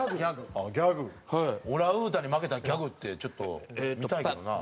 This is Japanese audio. オランウータンに負けたギャグってちょっと見たいけどな。